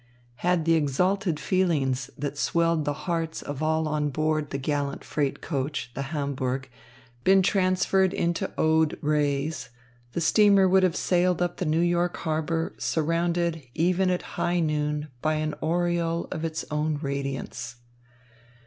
Had the exalted feelings that swelled the hearts of all on board the gallant freight coach, the Hamburg, been transferred into od rays, the steamer would have sailed up New York Harbour surrounded, even at high noon, by an aureole of its own radiance.